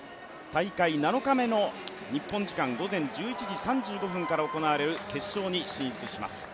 大会７日目の日本時間午前１１時３５分から行われる決勝に進出します。